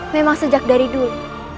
memang sejak dari dulu